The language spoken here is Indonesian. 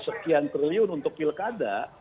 dua puluh enam sekian triliun untuk pilkada